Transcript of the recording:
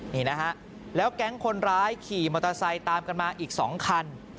นี่นะฮะแล้วแก๊งคนร้ายขี่มอเตอร์ไซค์ตามกันมาอีก๒คัน